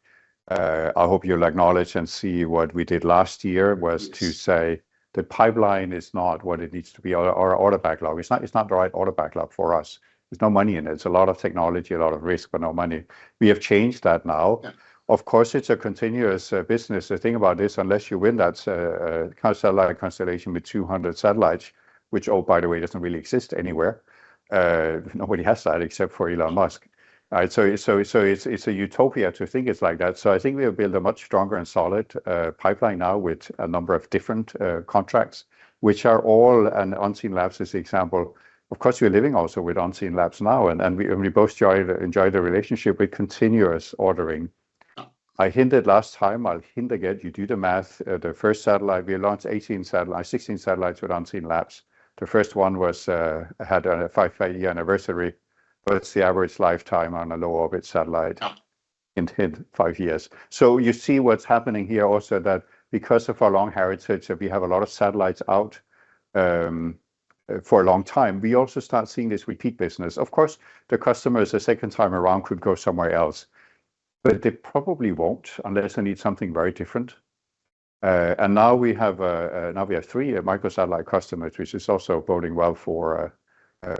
I hope you'll acknowledge and see what we did last year was to say the pipeline is not what it needs to be or our order backlog. It's not the right order backlog for us. There's no money in it. It's a lot of technology, a lot of risk, but no money. We have changed that now. Of course, it's a continuous business. The thing about this, unless you win that satellite constellation with 200 satellites, which, oh, by the way, doesn't really exist anywhere. Nobody has that except for Elon Musk. So it's a utopia to think it's like that. So I think we have built a much stronger and solid pipeline now with a number of different contracts, which are all, and Unseenlabs is the example. Of course, we're living also with Unseenlabs now, and we both enjoy the relationship with continuous ordering. I hinted last time. I'll hint again. You do the math. The first satellite, we launched 18 satellites, 16 satellites with Unseenlabs. The first one had a five-year anniversary, but it's the average lifetime on a low-orbit satellite in five years. So you see what's happening here also that because of our long heritage, we have a lot of satellites out for a long time. We also start seeing this repeat business. Of course, the customers the second time around could go somewhere else, but they probably won't unless they need something very different. Now we have three microsatellite customers, which is also building well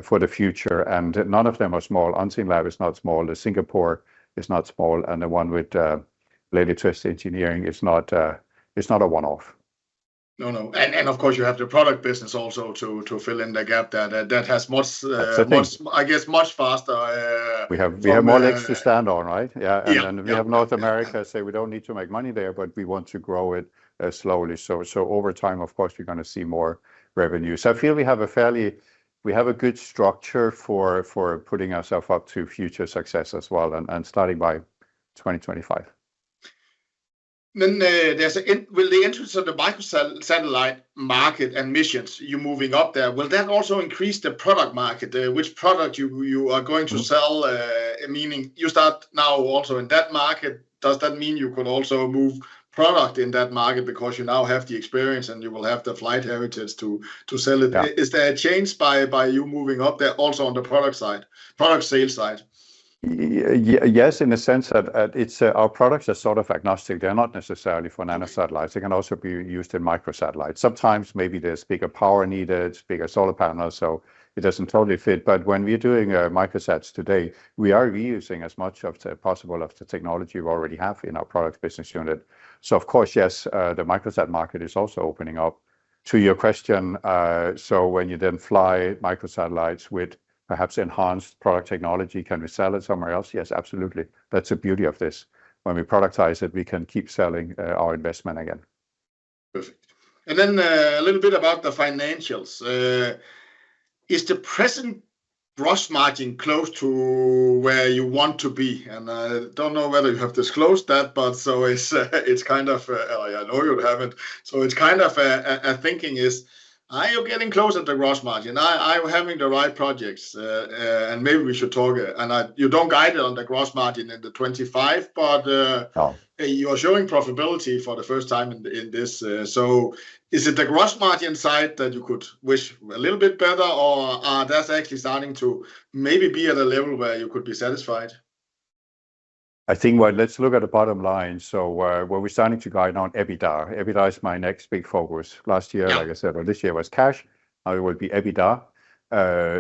for the future. None of them are small. Unseenlabs is not small. Singapore is not small. And the one with ST Engineering is not a one-off.
No, no, and of course, you have the product business also to fill in the gap that has, I guess, much faster.
We have more legs to stand on, right? Yeah. And then we have North America. So we don't need to make money there, but we want to grow it slowly. So over time, of course, we're going to see more revenue. So I feel we have a fairly good structure for putting ourself up to future success as well and starting by 2025.
Then there's the will to enter the microsatellite market and missions you're moving up there. Will that also increase the product market? Which product are you going to sell, meaning you start now also in that market? Does that mean you could also move product in that market because you now have the experience and you will have the flight heritage to sell it? Is there a change by you moving up there also on the product side, product sales side?
Yes, in a sense that our products are sort of agnostic. They're not necessarily for nanosatellites. They can also be used in microsatellites. Sometimes maybe there's bigger power needed, bigger solar panels, so it doesn't totally fit. But when we're doing microsats today, we are reusing as much of the technology we already have in our product business unit. So of course, yes, the microsat market is also opening up. To your question, so when you then fly microsatellites with perhaps enhanced product technology, can we sell it somewhere else? Yes, absolutely. That's the beauty of this. When we productize it, we can keep selling our investment again.
Perfect. Then a little bit about the financials. Is the present gross margin close to where you want to be? I don't know whether you have disclosed that, but it's kind of. I know you haven't. It's kind of a thinking. Is, are you getting close at the gross margin? Are you having the right projects? Maybe we should talk. You don't guide it on the gross margin in the 25, but you are showing profitability for the first time in this. Is it the gross margin side that you could wish a little bit better, or that's actually starting to maybe be at a level where you could be satisfied?
I think, well, let's look at the bottom line, so we're starting to guide on EBITDA. EBITDA is my next big focus. Last year, like I said, or this year was cash. Now it will be EBITDA,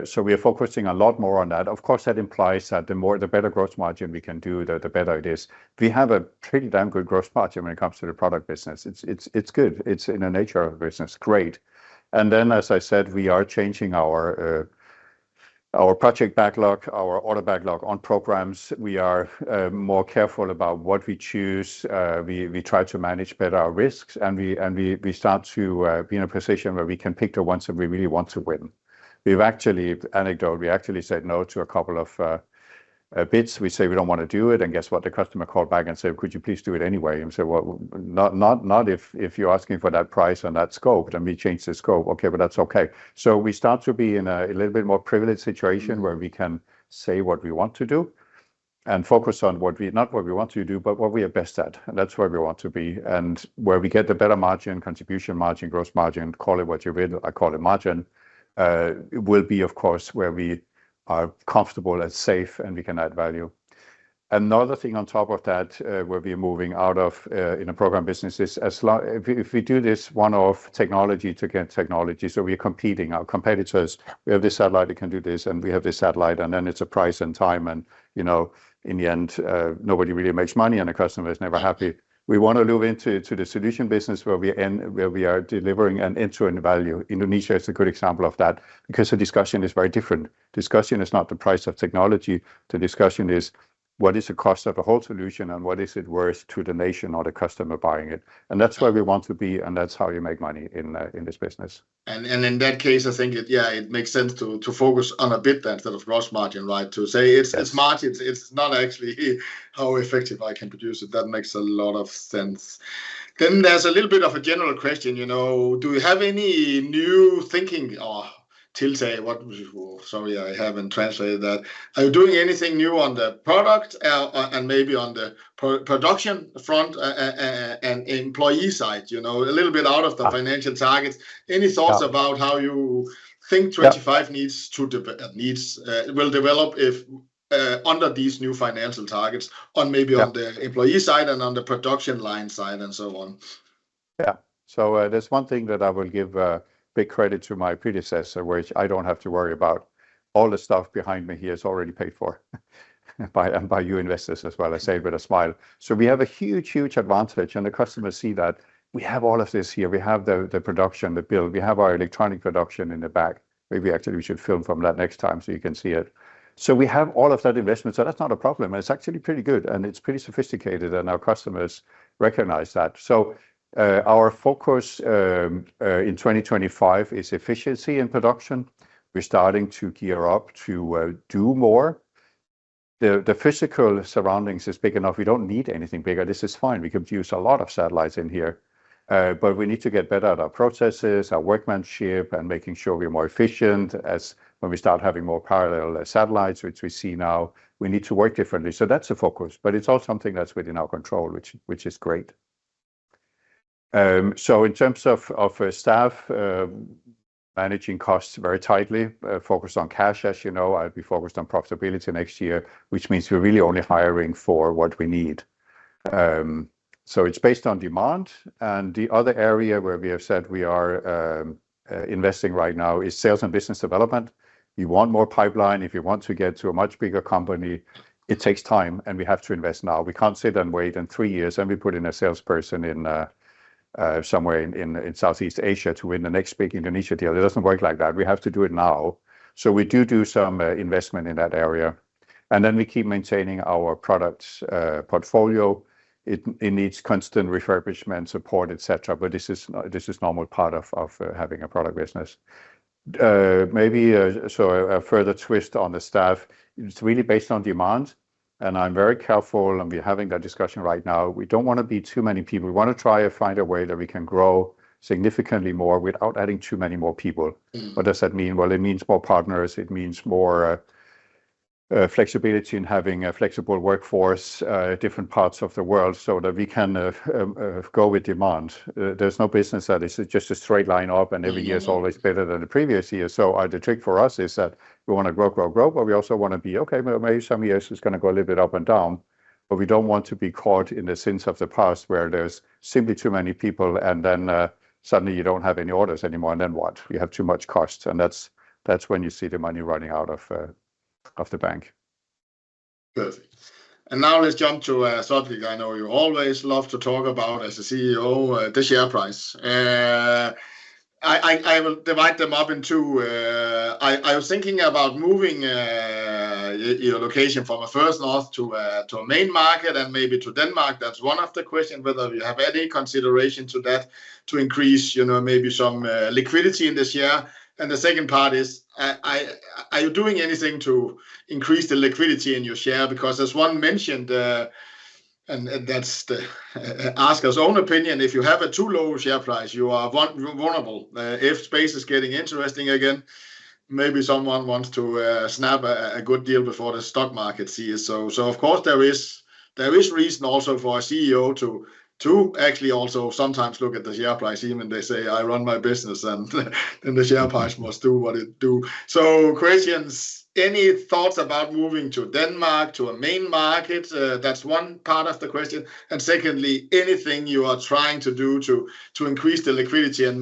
so we are focusing a lot more on that. Of course, that implies that the better gross margin we can do, the better it is. We have a pretty damn good gross margin when it comes to the product business. It's good. It's in the nature of the business. Great, and then, as I said, we are changing our project backlog, our order backlog on programs. We are more careful about what we choose. We try to manage better our risks, and we start to be in a position where we can pick the ones that we really want to win. We've actually, anecdote, we actually said no to a couple of bids. We say we don't want to do it. And guess what? The customer called back and said, "Could you please do it anyway?" And we said, "Well, not if you're asking for that price and that scope." Then we changed the scope. Okay, but that's okay. So we start to be in a little bit more privileged situation where we can say what we want to do and focus on not what we want to do, but what we are best at. And that's where we want to be. And where we get the better margin, contribution margin, gross margin, call it what you want, I call it margin, will be, of course, where we are comfortable and safe and we can add value. Another thing on top of that, where we are moving out of in a program business is if we do this one-off technology to get technology, so we are competing. Our competitors, we have this satellite, it can do this, and we have this satellite, and then it's a price and time. And in the end, nobody really makes money, and the customer is never happy. We want to move into the solution business where we are delivering an end-to-end value. Indonesia is a good example of that because the discussion is very different. Discussion is not the price of technology. The discussion is what is the cost of a whole solution and what is it worth to the nation or the customer buying it. And that's where we want to be, and that's how you make money in this business.
And in that case, I think, yeah, it makes sense to focus on a bit instead of gross margin, right? To say it's margin, it's not actually how effective I can produce it. That makes a lot of sense. Then there's a little bit of a general question. Do you have any new thinking or tilt? Sorry, I haven't translated that. Are you doing anything new on the product and maybe on the production front and employee side, a little bit out of the financial targets? Any thoughts about how you think 25 needs will develop under these new financial targets on maybe on the employee side and on the production line side and so on?
Yeah. So there's one thing that I will give big credit to my predecessor, which I don't have to worry about. All the stuff behind me here is already paid for by you investors as well. I say it with a smile. So we have a huge, huge advantage, and the customers see that. We have all of this here. We have the production, the build. We have our electronic production in the back. Maybe actually we should film from that next time so you can see it. So we have all of that investment. So that's not a problem. It's actually pretty good, and it's pretty sophisticated, and our customers recognize that. So our focus in 2025 is efficiency in production. We're starting to gear up to do more. The physical surroundings is big enough. We don't need anything bigger. This is fine. We could use a lot of satellites in here, but we need to get better at our processes, our workmanship, and making sure we're more efficient as when we start having more parallel satellites, which we see now. We need to work differently. So that's a focus, but it's all something that's within our control, which is great. So in terms of staff, managing costs very tightly, focused on cash, as you know, I'll be focused on profitability next year, which means we're really only hiring for what we need. So it's based on demand. And the other area where we have said we are investing right now is sales and business development. You want more pipeline. If you want to get to a much bigger company, it takes time, and we have to invest now. We can't sit and wait in three years and we put in a salesperson somewhere in Southeast Asia to win the next big Indonesia deal. It doesn't work like that. We have to do it now. So we do do some investment in that area. And then we keep maintaining our product portfolio. It needs constant refurbishment, support, et cetera, but this is normal part of having a product business. Maybe a further twist on the staff. It's really based on demand, and I'm very careful, and we're having that discussion right now. We don't want to be too many people. We want to try and find a way that we can grow significantly more without adding too many more people. What does that mean? Well, it means more partners. It means more flexibility in having a flexible workforce, different parts of the world so that we can go with demand. There's no business that is just a straight line up, and every year is always better than the previous year. So the trick for us is that we want to grow, grow, grow, but we also want to be okay. Maybe some years it's going to go a little bit up and down, but we don't want to be caught in the sins of the past where there's simply too many people, and then suddenly you don't have any orders anymore, and then what? You have too much cost, and that's when you see the money running out of the bank.
Perfect. And now let's jump to something I know you always love to talk about as a CEO, the share price. I will divide them up in two. I was thinking about moving your location from First North to a main market and maybe to Denmark. That's one of the questions, whether you have any consideration to that to increase maybe some liquidity in this year. And the second part is, are you doing anything to increase the liquidity in your share? Because as one mentioned, and that's to ask his own opinion, if you have a too low share price, you are vulnerable. If space is getting interesting again, maybe someone wants to snap a good deal before the stock market sees. Of course, there is reason also for a CEO to actually also sometimes look at the share price, even when they say, "I run my business," and then the share price must do what it do. Questions, any thoughts about moving to Denmark, to a main market? That's one part of the question. Secondly, anything you are trying to do to increase the liquidity and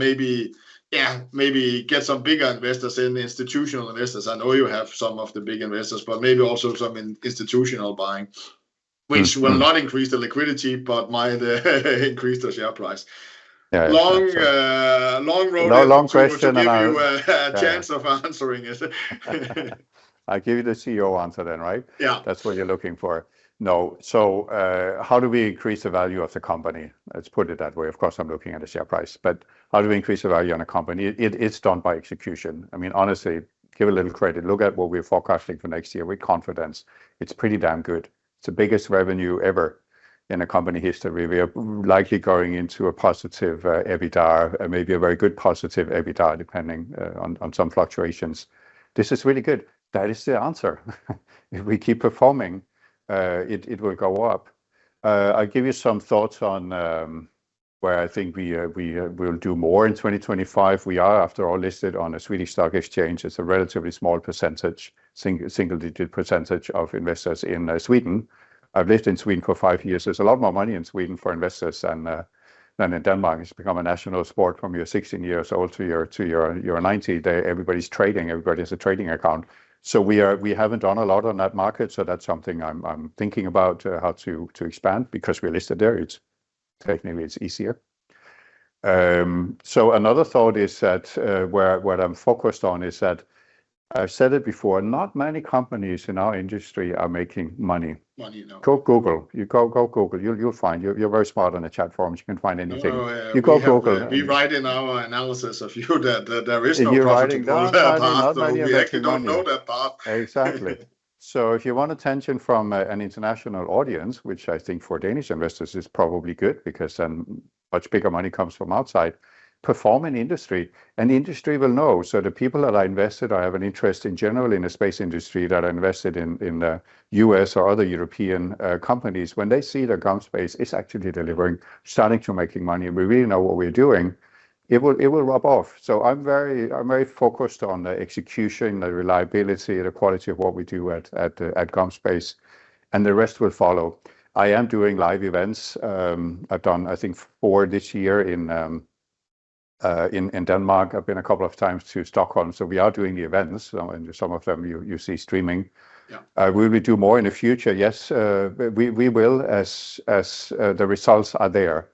maybe get some bigger investors in, institutional investors? I know you have some of the big investors, but maybe also some institutional buying, which will not increase the liquidity, but might increase the share price. Long road ahead.
No long question.
I'll give you a chance of answering it.
I'll give you the CEO answer then, right?
Yeah.
That's what you're looking for. No. So how do we increase the value of the company? Let's put it that way. Of course, I'm looking at the share price, but how do we increase the value on a company? It's done by execution. I mean, honestly, give a little credit. Look at what we're forecasting for next year with confidence. It's pretty damn good. It's the biggest revenue ever in a company history. We are likely going into a positive EBITDA, maybe a very good positive EBITDA, depending on some fluctuations. This is really good. That is the answer. If we keep performing, it will go up. I'll give you some thoughts on where I think we will do more in 2025. We are, after all, listed on the Swedish Stock Exchange. It's a relatively small percentage, single-digit percentage of investors in Sweden. I've lived in Sweden for five years. There's a lot more money in Sweden for investors than in Denmark. It's become a national sport from you're 16 years old to you're 90. Everybody's trading. Everybody has a trading account. So we haven't done a lot on that market. So that's something I'm thinking about how to expand because we're listed there. Technically, it's easier. So another thought is that what I'm focused on is that I've said it before, not many companies in our industry are making money. Go Google. You go Google, you'll find. You're very smart on the chat forums. You can find anything. You go Google.
We write in our analysis of you that there is no profit in the past.
You're writing that part.
We actually don't know that part.
Exactly. So if you want attention from an international audience, which I think for Danish investors is probably good because then much bigger money comes from outside, perform in industry, and industry will know. So the people that are invested or have an interest in general in the space industry that are invested in the U.S. or other European companies, when they see the GomSpace is actually delivering, starting to making money, we really know what we're doing, it will rub off. So I'm very focused on the execution, the reliability, the quality of what we do at GomSpace, and the rest will follow. I am doing live events. I've done, I think, four this year in Denmark. I've been a couple of times to Stockholm. So we are doing the events. Some of them you see streaming. Will we do more in the future? Yes, we will, as the results are there.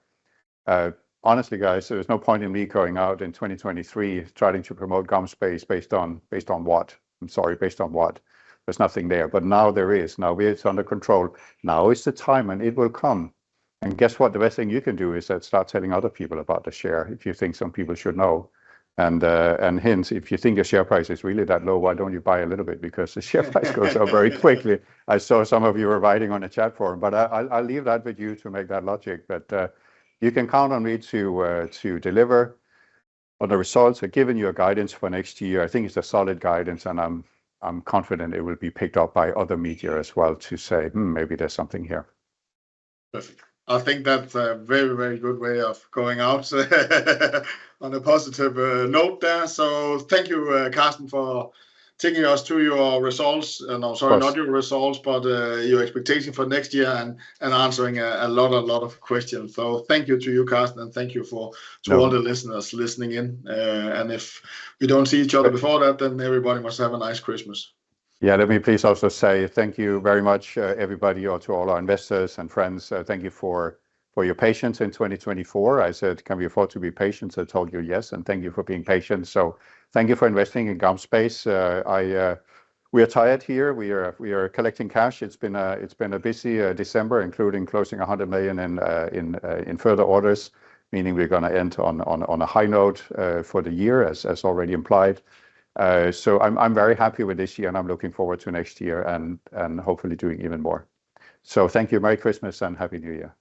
Honestly, guys, there is no point in me going out in 2023 trying to promote GomSpace based on what? I'm sorry, based on what? There's nothing there, but now there is. Now it's under control. Now is the time, and it will come. And guess what? The best thing you can do is start telling other people about the share if you think some people should know. And hence, if you think your share price is really that low, why don't you buy a little bit? Because the share price goes up very quickly. I saw some of you were writing on the chat forum, but I'll leave that with you to make that logic. But you can count on me to deliver. The results are giving you a guidance for next year. I think it's a solid guidance, and I'm confident it will be picked up by other media as well to say, "Maybe there's something here."
Perfect. I think that's a very, very good way of going out on a positive note there. So thank you, Carsten, for taking us to your results. And I'm sorry, not your results, but your expectation for next year and answering a lot of questions. So thank you to you, Carsten, and thank you to all the listeners listening in. And if we don't see each other before that, then everybody must have a nice Christmas.
Yeah, let me please also say thank you very much, everybody, or to all our investors and friends. Thank you for your patience in 2024. I said, "Can we afford to be patient?" I told you yes, and thank you for being patient. So thank you for investing in GomSpace. We are tired here. We are collecting cash. It's been a busy December, including closing 100 million in further orders, meaning we're going to end on a high note for the year, as already implied. So I'm very happy with this year, and I'm looking forward to next year and hopefully doing even more. So thank you. Merry Christmas and Happy New Year.